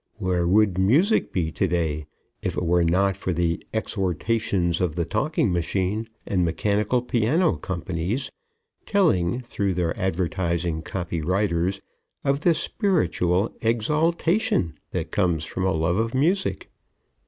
Where would Music be to day if it were not for the exhortations of the talking machine and mechanical piano companies telling, through their advertising copy writers, of the spiritual exaltation that comes from a love of music?